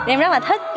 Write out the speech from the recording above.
em rất là thích